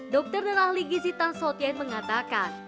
dokter dan ahli gizita sotien mengatakan